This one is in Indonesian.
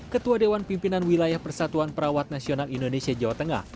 ketua dewan pimpinan wilayah persatuan perawat nasional indonesia jawa tengah